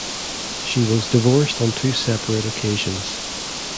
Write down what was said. She was divorced on two separate occasions.